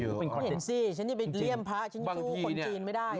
เห็นสิฉันจะไปเลี่ยมพระฉันก็คุ้กคนจีนไม่ได้เลย